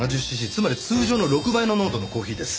つまり通常の６倍の濃度のコーヒーです。